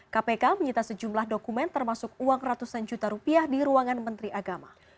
kpk menyita sejumlah dokumen termasuk uang ratusan juta rupiah di ruangan menteri agama